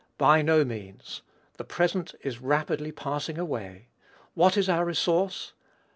By no means. The present is rapidly passing away. What is our resource?